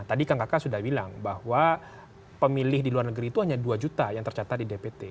tadi kang kakak sudah bilang bahwa pemilih di luar negeri itu hanya dua juta yang tercatat di dpt